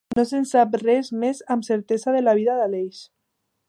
No se'n sap res més amb certesa de la vida d'Aleix.